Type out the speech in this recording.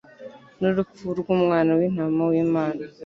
n'urupfu rw'Umwana w'intama w'Imana,